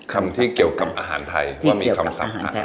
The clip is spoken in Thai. คำที่เกี่ยวกับอาหารไทยว่ามีคำสั่งอะไร